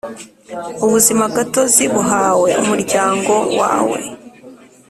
Ubuzimagatozi buhawe umuryango wawe